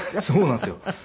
そうなんですよ。